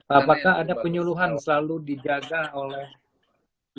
apakah ada penyuluhan selalu dijaga oleh